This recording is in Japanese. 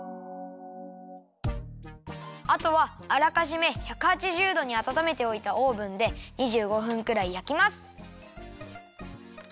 あとはあらかじめ１８０どにあたためておいたオーブンで２５分くらいやきます。